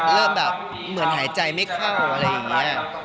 เริ่มแบบเหมือนหายใจไม่เข้าอะไรอย่างนี้